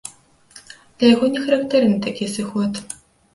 Для яго не характэрны такі зыход.